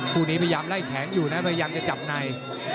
คู่นี้พยายามไล่แขนอยู่นะพยายามจะจับใน